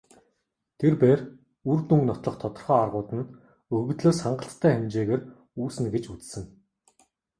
Тэр бээр үр дүнг нотлох тодорхой аргууд нь өгөгдлөөс хангалттай хэмжээгээр үүснэ гэж үзсэн.